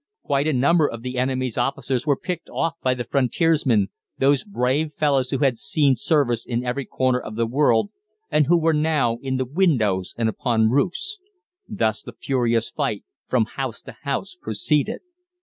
Quite a number of the enemy's officers were picked off by the Frontiersmen, those brave fellows who had seen service in every corner of the world, and who were now in the windows and upon roofs. Thus the furious fight from house to house proceeded.